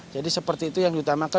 seperti itu yang diutamakan